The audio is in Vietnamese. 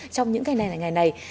trong những ngày này